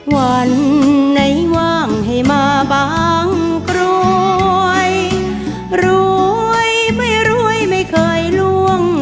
วันไหนว่างให้มาบางกรวยรวยไม่รวยไม่เคยล่วง